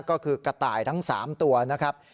ก็คือกระต่ายทั้ง๓ตัวนะครับ